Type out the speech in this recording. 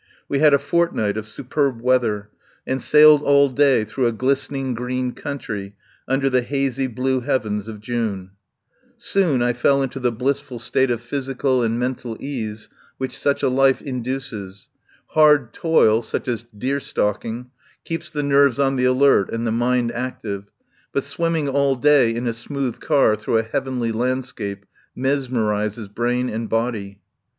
We had a fortnight of su perb weather, and sailed all day through a glistening green country under the hazy blue heavens of June. Soon I fell into the blissful 56 TELLS OF A MIDSUMMER NIGHT state of physical and mental ease which such a life induces. Hard toil, such as deer stalk ing, keeps the nerves on the alert and the mind active, but swimming all day in a smooth car through a heavenly landscape mesmerises brain and body.